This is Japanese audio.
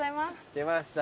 出ました